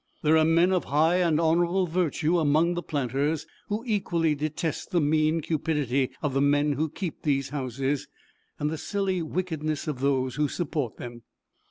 There are men of high and honorable virtue among the planters, who equally detest the mean cupidity of the men who keep these houses, and the silly wickedness of those who support them.